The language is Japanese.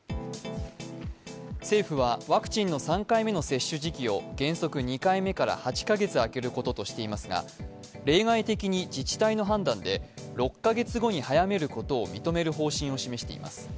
政府はワクチンの３回目の接種時期を原則２回目から８カ月空けることとしていますが、例外的に自治体の判断で６カ月後に早めることを認める方針を示しています。